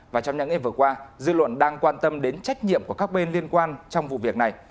và trong những ngày vừa qua dư luận đang quan tâm đến trách nhiệm của các bên liên quan trong vụ việc này